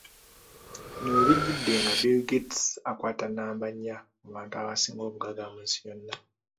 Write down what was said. Bino webijjidde nga Bill Gates akwata nnamba nya mu bantu abasinga obugagga mu nsi yonna .